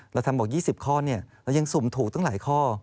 เราทำบอก๒๐ข้อเรายังสุ่มถูกตั้งหลายข้อ